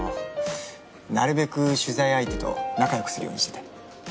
なるべく取材相手と仲よくするようにしてて。